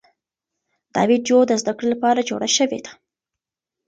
دا ویډیو د زده کړې لپاره جوړه شوې ده.